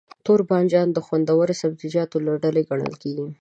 توربانجان د خوندورو سبزيجاتو له ډلې ګڼل کېږي.